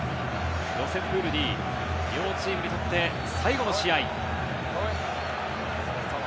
予選プールＤ、両チームにとって最後の試合。